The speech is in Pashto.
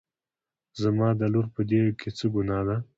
زما د لور په دې کې څه ګناه ده